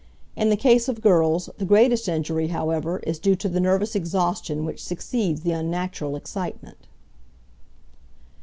In the case of girls the greatest injury, however, is due to the nervous exhaustion which succeeds the unnatural excitement.